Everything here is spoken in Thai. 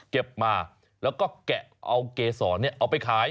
เก็บมาแล้วก็แกะเอาเกษรเอาไปขาย